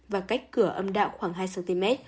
và cách cửa âm đạo khoảng hai cm